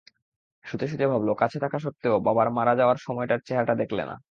শুতে শুতে ভাবল, কাছে থাকা সত্ত্বেও বাবার মারা যাওয়ার সময়কার চেহারাটা দেখল না।